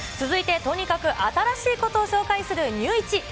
続いてとにかく新しいことを紹介するＮＥＷイチ。